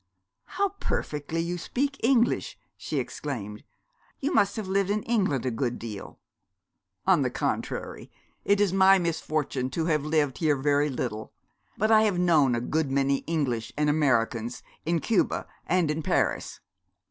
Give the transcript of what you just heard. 'How perfectly you speak English!' she exclaimed. 'You must have lived in England a good deal.' 'On the contrary, it is my misfortune to have lived here very little, but I have known a good many English and Americans in Cuba and in Paris.'